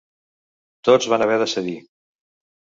Tots van haver de cedir.